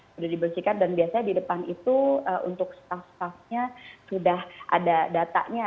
sudah dibersihkan dan biasanya di depan itu untuk staff staffnya sudah ada datanya